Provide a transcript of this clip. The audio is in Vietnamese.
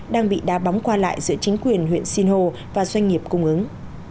đang bị đá bóng qua lại giữa chính quyền huyện sinh hồ và doanh nghiệp cung ứng